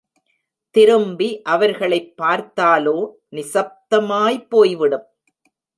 திரும்பி அவர்களைப் பார்த்தாலோ, நிசப்தமாய்ப் போய்விடும்!